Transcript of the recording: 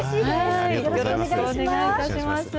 よろしくお願いします。